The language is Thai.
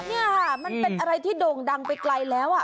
นี่ค่ะมันเป็นอะไรที่โด่งดังไปไกลแล้ว